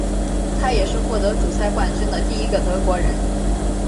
他也是获得主赛冠军的第一个德国人。